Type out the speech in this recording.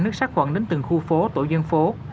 nước sát khuẩn đến từng khu phố tổ dân phố